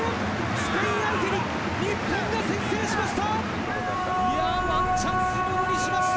スペイン相手に日本が先制しました！